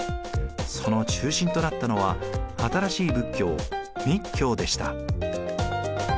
その中心となったのは新しい仏教密教でした。